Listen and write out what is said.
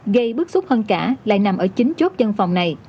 gây bức xúc hơn cả lại nằm ở chính chốt dân phòng này